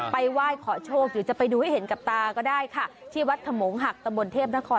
ไหว้ขอโชคหรือจะไปดูให้เห็นกับตาก็ได้ค่ะที่วัดขมงหักตะบนเทพนคร